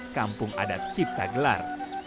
kampung adat cipta gelar